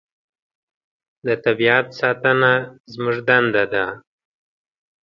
د طبیعت ساتنه زموږ دنده ده.